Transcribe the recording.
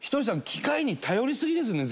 機械に頼りすぎですね